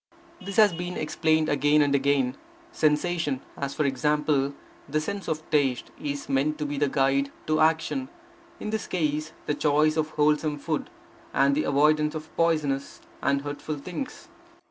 This has been explained again and again. Sensation, as, for example, the sense of taste, is meant to be the guide to action; in this case, the choice of wholesome food, and the avoidance of poisonous and hurtful things.